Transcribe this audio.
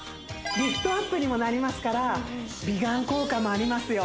リフトアップにもなりますから美顔効果もありますよ